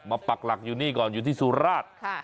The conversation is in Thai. ปักหลักอยู่นี่ก่อนอยู่ที่สุราช